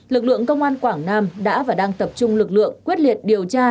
lực lượng công an quảng nam đã và đang tập trung lực lượng quyết liệt điều tra